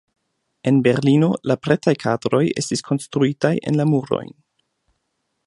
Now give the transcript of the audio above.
En Berlino la pretaj kadroj estis konstruitaj en la murojn.